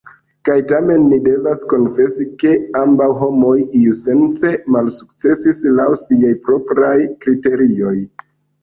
Kaj tamen ni devas konfesi, ke ambaŭ homoj iusence malsukcesis, laŭ siaj propraj kriterioj.